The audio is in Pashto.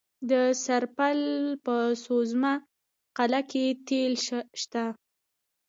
د سرپل په سوزمه قلعه کې تیل شته.